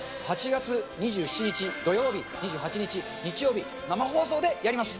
８月２７日土曜日、２８日日曜日、生放送でやります。